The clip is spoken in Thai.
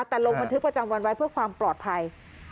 แต่ลงบันทึกประจำวันไว้เพื่อความปลอดภัย